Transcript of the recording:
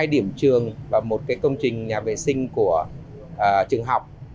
hai điểm trường và một công trình nhà vệ sinh